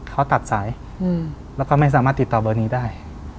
เขาตัดสายแล้วก็ไม่สามารถติดต่อเบอร์นี้ได้